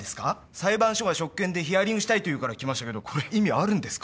裁判所が職権でヒアリングしたいと言うから来ましたけどこれ意味あるんですか？